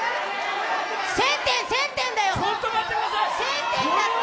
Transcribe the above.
１０００点だよ、１０００点だって！